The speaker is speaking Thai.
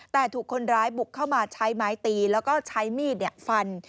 แต่ถูกคนร้ายบุกเข้ามาใช้ไม้ตีแล้วก็ใช้มีดฟัน